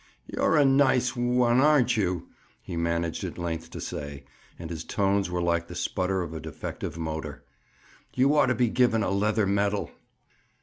"You're a nice one, aren't you?" he managed at length to say, and his tones were like the splutter of a defective motor. "You ought to be given a leather medal."